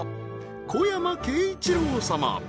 小山慶一郎様